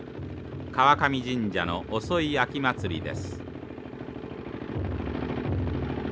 川上神社の遅い秋祭りです。